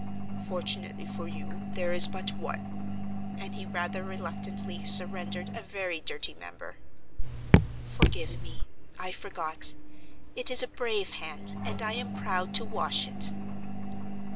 "Fortunately for you, there is but one," and he rather reluctantly surrendered a very dirty member. "Forgive me, I forgot. It is a brave hand, and I am proud to wash it!"